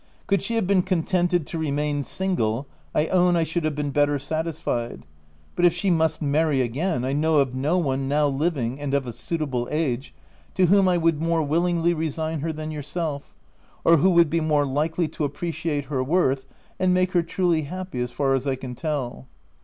Could she have been contented to remain single, I own I should have been better satisfied ; but if she must marry again, I know of no one, now living and of a suitable age, to whom I would more wil lingly resign her than yourself, or who would be more likely to appreciate her worth and make her truly happy, as far as I can tell."